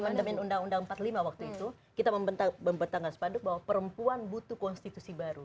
amandemen undang undang empat puluh lima waktu itu kita membentangkan sepanduk bahwa perempuan butuh konstitusi baru